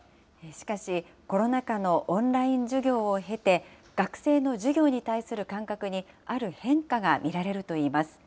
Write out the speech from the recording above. しかし、コロナ禍のオンライン授業を経て、学生の授業に対する感覚に、ある変化が見られるといいます。